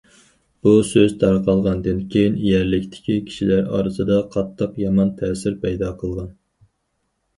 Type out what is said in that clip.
بۇ سۆز تارقالغاندىن كېيىن، يەرلىكتىكى كىشىلەر ئارىسىدا قاتتىق يامان تەسىر پەيدا قىلغان.